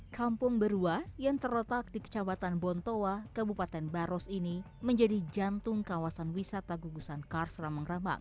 kampung berwa yang terletak di kecamatan bontoa kabupaten baros ini menjadi jantung kawasan wisata gugusan kars ramang ramang